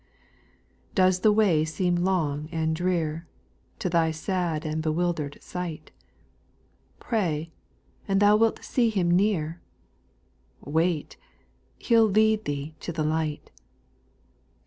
4. ' Does the way seem long and drear To thy sad bewildered sight ? Pray, and thou wilt see Him near, Wait,— He '11 lead thee to the light.